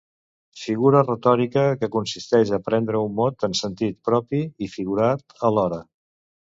Figura retòrica que consisteix a prendre un mot en sentit propi i figurat alhora.